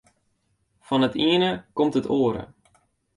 Fan it iene komt it oare.